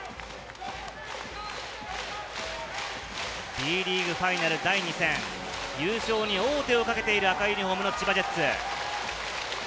Ｂリーグファイナル第２戦、優勝に王手をかけている赤いユニホームの千葉ジェッツ。